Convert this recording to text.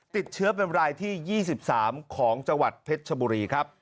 ติดเชื้อเป็นรายที่๒๓ของจังหวัดเพชรชบุรีครับ